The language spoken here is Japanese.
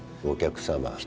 お客さま